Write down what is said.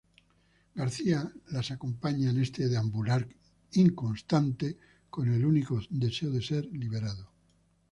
García las acompaña en este deambular inconstante con el único deseo de ser liberado.